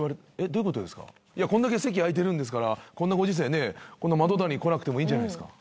いやこんだけ席空いてるんですからこんなご時世ねぇこんな真隣に来なくてもいいんじゃないですか？